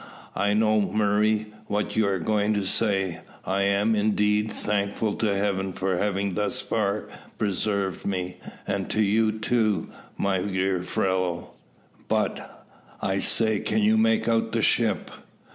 "I know, Murray, what you are going to say; I am, indeed, thankful to Heaven for having thus far preserved me, and to you too, my dear fellow. But, I say, can you make out the ship?"